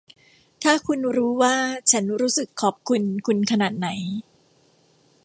ถ้าคุณรู้ว่าฉันรู้สึกขอบคุณคุณขนาดไหน